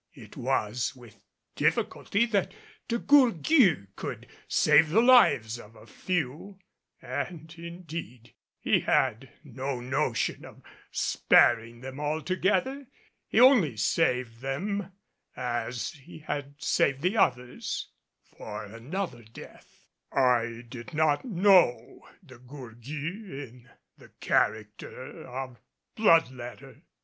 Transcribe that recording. It was with difficulty that De Gourgues could save the lives of a few; and indeed he had no notion of sparing them altogether. He only saved them as he had saved the others for another death. I did not know De Gourgues in the character of blood letter.